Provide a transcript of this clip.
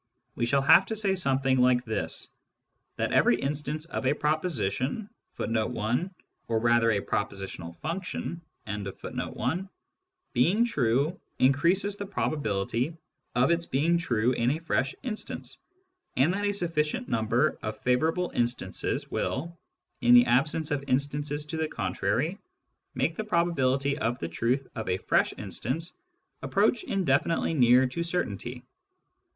We shall have to say something like this : that every instance of a proposition ^ being true increases the probability of its being true in a fresh instance, and that a sufficient number of favourable instances will, in the absence of instances to the contrary, make the proba . bility of the truth of a fresh instance approach indefinitely near to certainty.